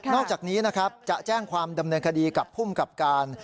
อกจากนี้นะครับจะแจ้งความดำเนินคดีกับภูมิกับการ